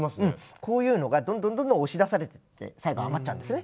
こういうのがどんどんどんどん押し出されてって最後余っちゃうんですね。